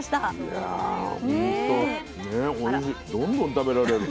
どんどん食べられる。